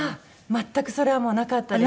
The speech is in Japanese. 全くそれはなかったです。